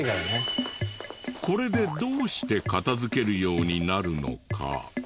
これでどうして片付けるようになるのか？